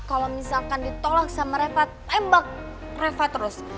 kalau misalkan ditolak sama reva tembak reva terus